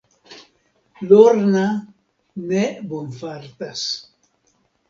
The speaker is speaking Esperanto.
Lorna ne bonfartas.